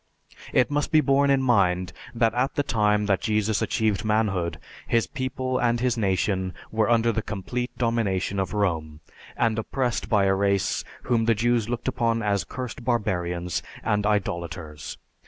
It must be borne in mind that at the time that Jesus achieved manhood, his people and his nation were under the complete domination of Rome, and oppressed by a race whom the Jews looked upon as cursed barbarians and idolaters.